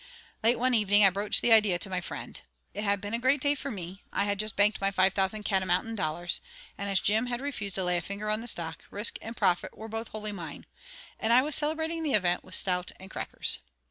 Late one evening I broached the idea to my friend. It had been a great day for me; I had just banked my five thousand catamountain dollars; and as Jim had refused to lay a finger on the stock, risk and profit were both wholly mine, and I was celebrating the event with stout and crackers.